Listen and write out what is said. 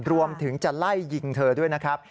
รวมถึงจะไล่ยิงเธอด้วยนะครับ